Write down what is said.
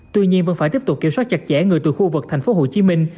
tuy nhiên vẫn phải tiếp tục kiểm soát chặt chẽ người từ khu vực thành phố hồ chí minh